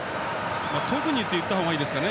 特にと言ったほうがいいですかね。